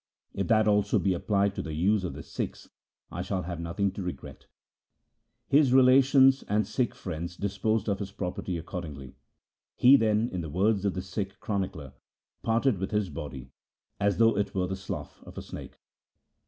If that also be applied to the use of the Sikhs, I shall have nothing to regret.' His relations and Sikh friends disposed of his property accordingly. He then, in the words of the Sikh chronicler, parted with his body as though it were the slough of a snake.